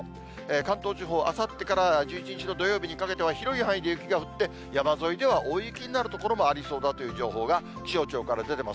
関東地方、あさってから１１日の土曜日にかけては、広い範囲で雪が降って、山沿いでは大雪になる所もありそうだという情報が、気象庁から出てます。